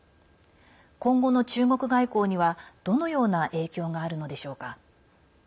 今後の中国外交にはどのような影響があるのでしょうか。